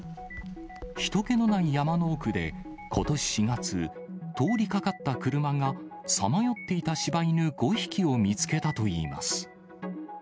ひと気のない山の奥で、ことし４月、通りかかった車が、さまよっていたしば犬５匹を見つけたといいます。